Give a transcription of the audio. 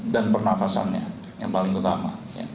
dan pernafasannya yang paling utama